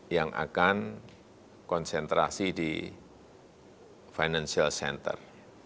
yang akan konsentrasi di financial center